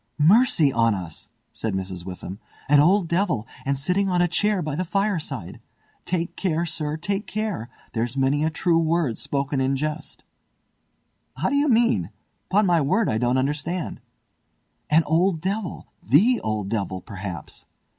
"Mercy on us," said Mrs. Witham, "an old devil, and sitting on a chair by the fireside! Take care, sir! take care! There's many a true word spoken in jest." "How do you mean? Pon my word I don't understand." "An old devil! The old devil, perhaps.